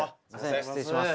失礼します。